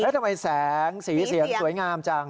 แล้วทำไมแสงสีเสียงสวยงามจัง